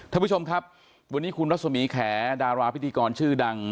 ท่านผู้ชมครับวันนี้คุณดรศแขน่ะดาราพิธีบรรยาชื่อดัง